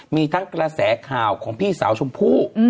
มีทั้งกระแสข่าวของพี่สาวชมพู่